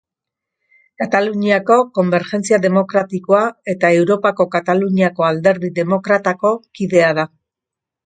Kataluniako Konbergentzia Demokratikoa eta Europako Kataluniako Alderdi Demokratako kidea da.